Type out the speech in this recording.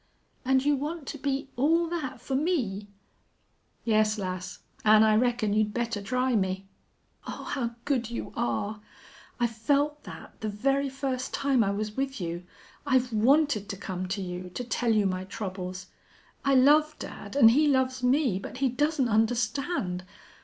"And you want to be all that for me?" "Yes, lass, an' I reckon you'd better try me." "Oh, how good you are! I felt that the very first time I was with you. I've wanted to come to you to tell you my troubles. I love dad and he loves me, but he doesn't understand.